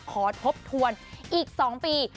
ทบทวนอีก๒ปี